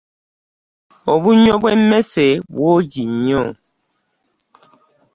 Obunnyo bwe mmese bwogi nnyo.